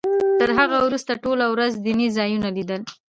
تر هغه وروسته ټوله ورځ دیني ځایونه لیدل.